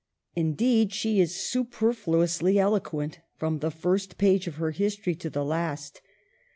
Indeed, she is super fluously eloquent, from the first page of her history to the last.